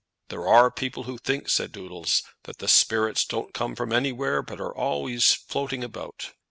"There are people who think," said Doodles, "that the spirits don't come from anywhere, but are always floating about."